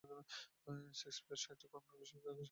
শেকসপিয়রের সাহিত্যকর্মের প্রতি বেশ আগ্রহ ছিল তার।